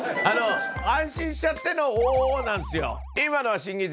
あの、安心しちゃっての、おぉなんですよ。